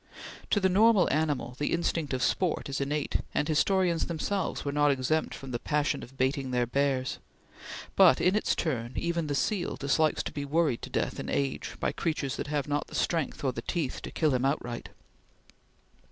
To the normal animal the instinct of sport is innate, and historians themselves were not exempt from the passion of baiting their bears; but in its turn even the seal dislikes to be worried to death in age by creatures that have not the strength or the teeth to kill him outright.